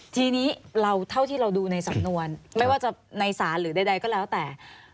ทีนี้เราเท่าที่เราดูในสำนวนไม่ว่าจะในศาลหรือใดก็แล้วแต่